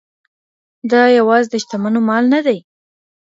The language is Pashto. دا یوازې د شتمنو مال نه دی.